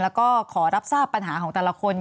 แล้วก็ขอรับทราบปัญหาของแต่ละคน